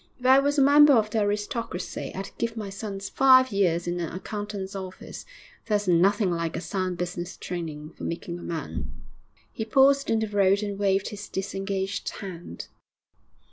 If I was a member of the aristocracy I'd give my sons five years in an accountant's office. There's nothing like a sound business training for making a man.' He paused in the road and waved his disengaged hand.